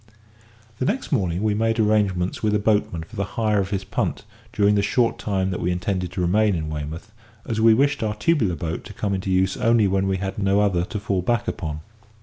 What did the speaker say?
The next morning we made arrangements with a boatman for the hire of his punt during the short time that we intended to remain in Weymouth, as we wished our tubular boat to come into use only when we had no other to fall back upon.